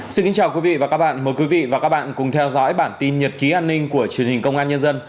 xin kính chào quý vị và các bạn mời quý vị và các bạn cùng theo dõi bản tin nhật ký an ninh của truyền hình công an nhân dân